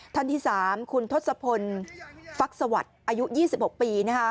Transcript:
ท่านที่๓คุณทศพลฟักสวัสดิ์อายุ๒๖ปี